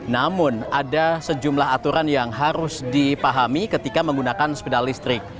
namun ada sejumlah aturan yang harus dipahami ketika menggunakan sepeda listrik